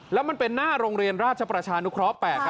แล้วมันเป็นหน้าโรงเรียนราชประชานุเคราะห์๘